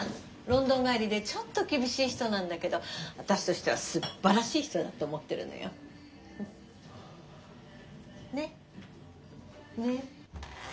ロンドン帰りでちょっと厳しい人なんだけど私としてはすっばらしい人だと思ってるのよ。ね？ね？